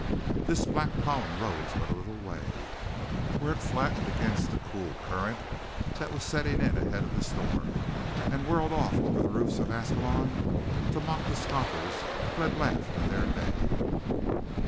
This black column rose but a little way, where it flattened against the cool current that was setting in ahead of the storm, and whirled off over the roofs of Ascalon to mock the scoffers who had laughed in their day.